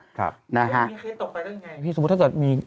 ดูเลยนะคะพี่มีเคลียดต่อไปเรื่องยังไงพี่สมมติว่าจะอยู่